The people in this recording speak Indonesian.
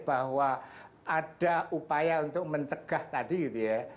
bahwa ada upaya untuk mencegah tadi gitu ya